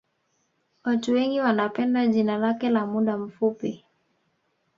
Watu wengi wanapenda jina lake la muda mfupi